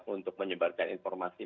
untuk menyebarkan informasi